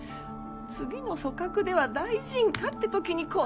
次の組閣では大臣かって時にこんな。